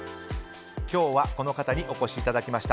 今日はこの方にお越しいただきました。